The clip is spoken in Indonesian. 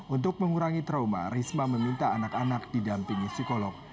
untuk mengurangi trauma risma meminta anak anak didampingi psikolog